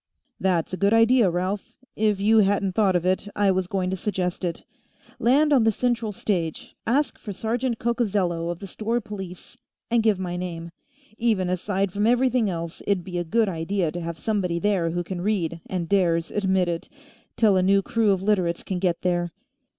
"That's a good idea, Ralph. If you hadn't thought of it, I was going to suggest it. Land on the central stage, ask for Sergeant Coccozello of the store police, and give my name. Even aside from everything else, it'd be a good idea to have somebody there who can read and dares admit it, till a new crew of Literates can get there.